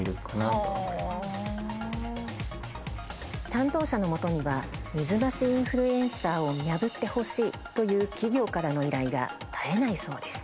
担当者のもとには「水増しインフルエンサーを見破ってほしい」という企業からの依頼が絶えないそうです。